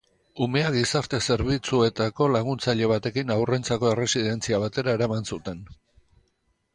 Umea gizarte-zerbitzuteako laguntzaile batekin haurrentzako erresidentzia batera eraman zuten.